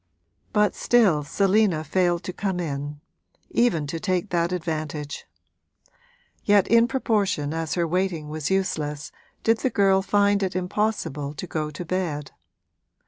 But still Selina failed to come in even to take that advantage; yet in proportion as her waiting was useless did the girl find it impossible to go to bed.